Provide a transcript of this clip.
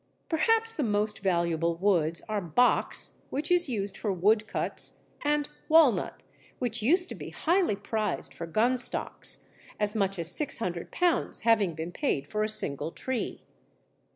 Perhaps the most valuable woods are Box, which is used for woodcuts, and Walnut, which used to be highly prized for gun stocks, as much as £600 having been paid for a single tree.